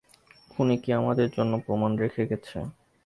খুনি কি আমাদের জন্য প্রমাণ রেখে গেছে?